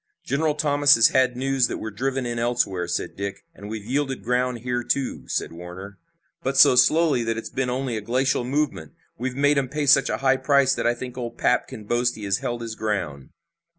"General Thomas has had news that we're driven in elsewhere," said Dick. "And we've yielded ground here, too," said Warner. "But so slowly that it's been only a glacial movement. We've made 'em pay such a high price that I think old 'Pap' can boast he has held his ground."